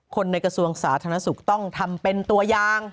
คนในกระทรวงสาธารณสุขต้องทำเป็นตัวยาง